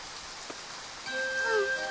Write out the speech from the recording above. うん。